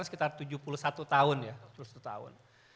sekitar tujuh puluh satu tahun